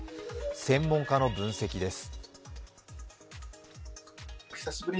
専門家の分析です。